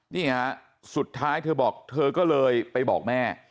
นี่ฮะสุดท้ายเธอบอกเธอก็เลยไปบอกแม่